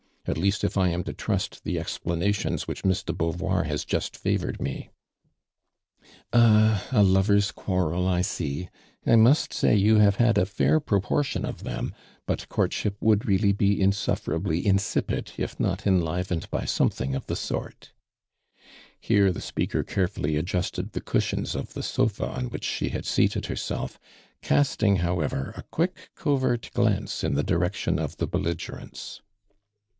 " At luast if 1 am to trust tho (>xi)lanati(>iiH with which Misn do Boauvolr Jwh juHt favorod itif." "Ah, a lover's «iuarn'l, 1 see ! I must say you liavo liad a fair proportion of tlioiii, but oourtahip would roally bo insulU'rably insi pid if not (enlivened by somctliinK of the sort."' llcirc tho spoakor carofullv adjuHte<l tiio cushions of the sofa on which sho luul heated lierself, casting, howcvt r, a quick, covert glance in the direction of tho belligor cnts.